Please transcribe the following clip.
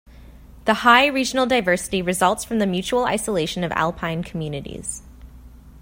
The high regional diversity results from the mutual isolation of Alpine communities.